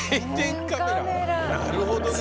なるほどね。